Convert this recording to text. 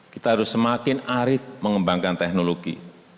kita harus semakin arif mengembangkan teknologi